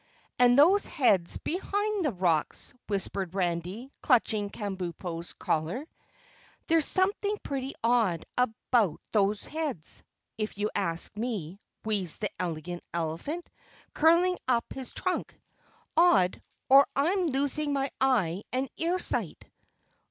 "And those heads behind the rocks," whispered Randy, clutching Kabumpo's collar. "There's something pretty odd about those heads, if you ask me," wheezed the Elegant Elephant, curling up his trunk. "Odd or I'm losing my eye and ear sight."